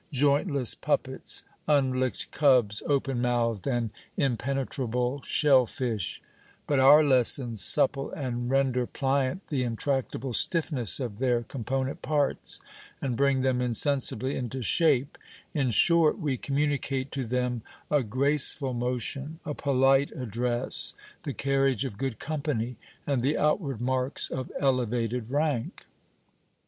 Jointless puppets, unlicked cubs, open mouthed and impenetrable shell fish ; but our lessons supple and render pliant the intractable stiffness of their com ponent parts, and bring them insensibly into shape : in short, we communicate to them a graceful motion, a polite address, the carriage of good company, and the outward marks of elevated rank.